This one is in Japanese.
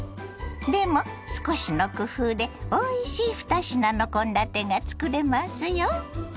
でも少しの工夫でおいしい２品の献立がつくれますよ。